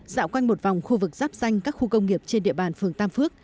dạo quanh một vòng khu vực giáp xanh các khu công nghiệp trên địa bàn phường tam phước